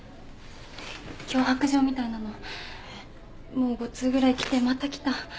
もう５通ぐらい来てまた来た。